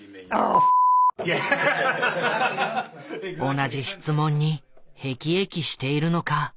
同じ質問にへきえきしているのか。